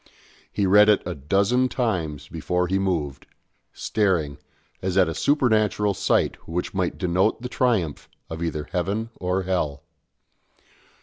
He read it a dozen times before he moved, staring, as at a supernatural sight which might denote the triumph of either heaven or hell.